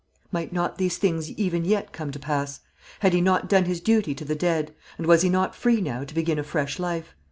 Might not these things even yet come to pass? Had he not done his duty to the dead; and was he not free now to begin a fresh life?